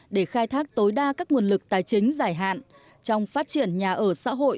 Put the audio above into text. để khai thác tối đa các nguồn lực tài chính dài hạn trong phát triển nhà ở xã hội